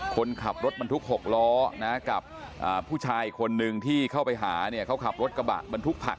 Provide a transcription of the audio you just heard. คนขับรถบรรทุกหกล้อนะครับ